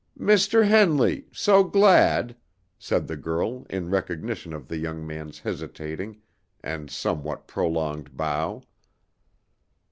"Mr. Henley! So glad!" said the girl in recognition of the young man's hesitating and somewhat prolonged bow.